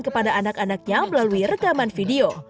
kepada anak anaknya melalui rekaman video